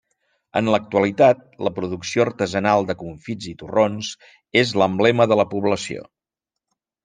En l'actualitat, la producció artesanal de confits i torrons és l'emblema de la població.